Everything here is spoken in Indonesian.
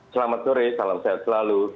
selamat sore salam sehat selalu